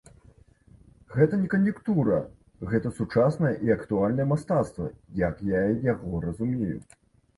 Гэта не кан'юнктура, гэта сучаснае і актуальнае мастацтва, як я яго разумею.